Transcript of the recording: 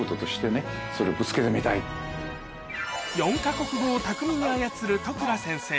４か国語を巧みに操る都倉先生